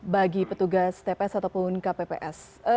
bagi petugas tps ataupun kpps